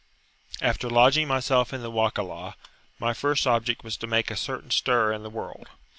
After lodging myself in the Wakalah, my first object was to make a certain stir in the world.